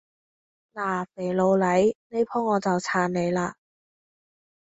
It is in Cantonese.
嗱，肥佬黎，呢舖我就撐你嘞